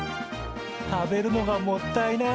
食べるのがもったいない。